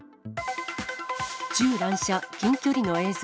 銃乱射、近距離の映像。